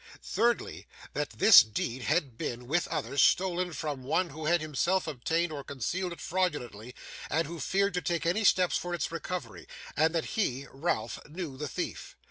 Thirdly, that this deed had been, with others, stolen from one who had himself obtained or concealed it fraudulently, and who feared to take any steps for its recovery; and that he (Ralph) knew the thief.